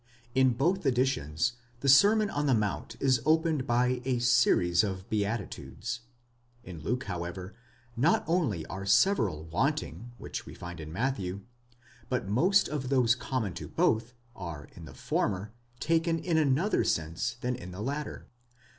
In both editions, the Sermon on the Mount is opened by a series of beatitudes ; in Luke, how ever, not only are several wanting which we find in Matthew, but most of those common to both are in the former taken in another sense than in the latter.!